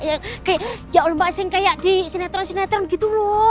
kayak ya allah mbak sing di sinetron sinetron gitu loh